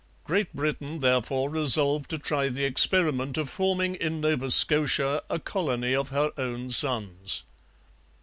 Great Britain, therefore, resolved to try the experiment of forming in Nova Scotia a colony of her own sons.